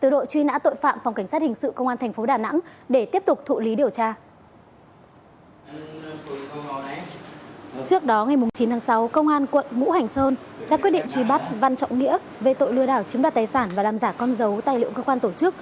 trước đó ngày chín tháng sáu công an quận ngũ hành sơn ra quyết định truy bắt văn trọng nghĩa về tội lừa đảo chiếm đoạt tài sản và làm giả con dấu tài liệu cơ quan tổ chức